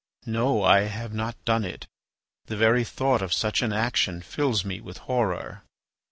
"No, I have not done it. The very thought of such an action fills me with horror."